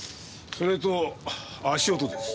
それと足音です。